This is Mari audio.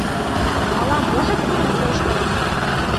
Ала-можак нуным келыштара.